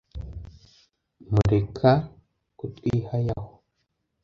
mureka kutwihaya ho